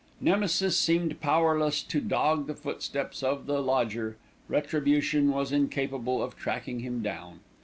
Nemesis seemed powerless to dog the footsteps of the lodger, retribution was incapable of tracking him down.